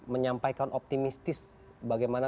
menyampaikan optimistis bagaimana